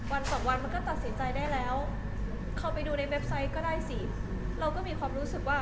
วันสองวันมันก็ตัดสินใจได้แล้ว